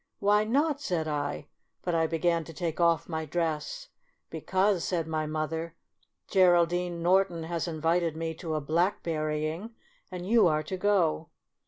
" Why not," said I, but I began to take off my dress. " Because," said my mother, " Geraldine Norton has invited me to a blackberrying, and you are to go."